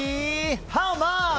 ハウマッチ。